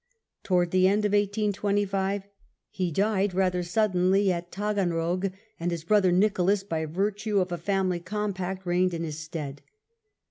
Towards the end of 1825 he died rather suddenly at Taganrog, and his brother Nicholas, by virtue of a family compact, reigned in his stead.